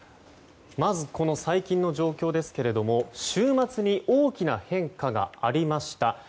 まず最近の状況ですけども週末に大きな変化がありました。